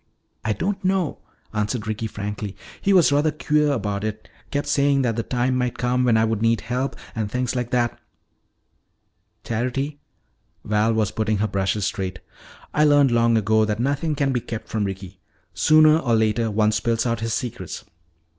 "I don't know," answered Ricky frankly. "He was rather queer about it. Kept saying that the time might come when I would need help, and things like that." "Charity," Val was putting her brushes straight, "I learned long ago that nothing can be kept from Ricky. Sooner or later one spills out his secrets."